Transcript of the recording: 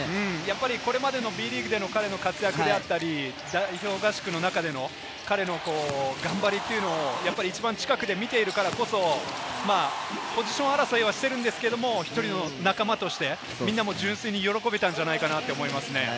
これまでのＢリーグの彼の活躍であったり、代表合宿の中でも彼の頑張りというのをやっぱり一番近くで見ているからこそ、ポジション争いはしているんですけれど、１人の仲間として、みんなも純粋に喜べたんじゃないかなと思いま